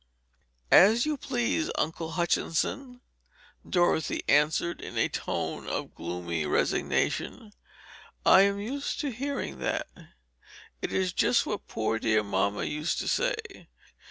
"As you please, Uncle Hutchinson," Dorothy answered, in a tone of gloomy resignation. "I am used to hearing that. It is just what poor dear mamma used to say.